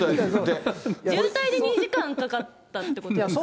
渋滞で２時間かかったってことですかね。